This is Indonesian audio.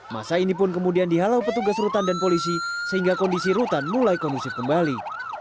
masa ini pun kemudian dihalau petugas rutan dan polisi sehingga kondisi rutan mulai kondusif kembali